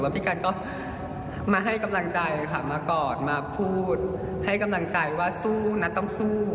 พี่กันก็มาให้กำลังใจค่ะมากอดมาพูดให้กำลังใจว่าสู้นะต้องสู้